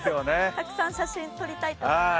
たくさん写真撮りたいと思います。